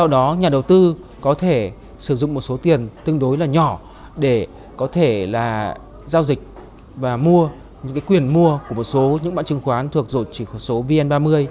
để sử dụng một số tiền tương đối là nhỏ để có thể là giao dịch và mua những quyền mua của một số những bản chứng khoán thuộc dột chỉ số vn ba mươi